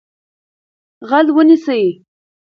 غله ونیسئ.